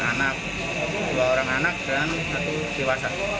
jadi ada anak dua orang anak dan satu siwasan